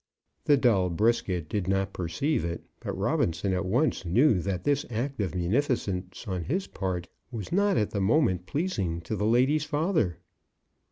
The dull Brisket did not perceive it; but Robinson at once knew that this act of munificence on his part was not at the moment pleasing to the lady's father.